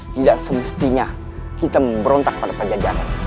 tidak semestinya kita memberontak pada penjajahan